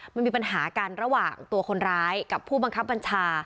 มันมีปัญหากันระหว่างตัวคนร้ายกับผู้บังคับบัญชา